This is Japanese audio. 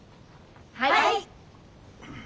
はい！